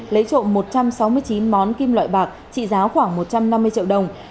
lấy trộm một trăm sáu mươi chín món kim loại bạc trị giá khoảng một trăm năm mươi triệu đồng